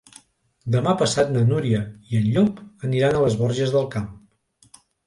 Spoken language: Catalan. Demà passat na Núria i en Llop aniran a les Borges del Camp.